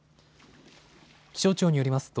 気象庁によりますと